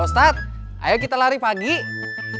moms udah kembali ke tempat yang sama